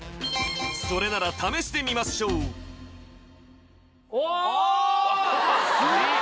それなら試してみましょうあすごい！